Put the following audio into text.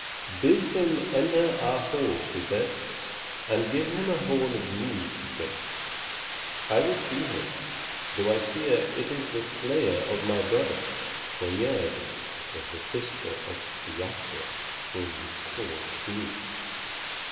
"Bid him enter our hall," she said, "and give him a horn of bright mead to drink. I will see him, though I fear it is the slayer of my brother." For Gerd was the sister of Thiasse whom Thor slew.